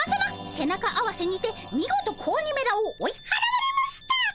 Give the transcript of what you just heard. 背中合わせにて見事子鬼めらを追い払われました！